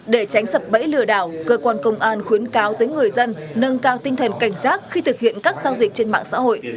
để tránh sập bẫy lừa đảo cơ quan công an khuyến cáo tới người dân nâng cao tinh thần cảnh giác khi thực hiện các giao dịch trên mạng xã hội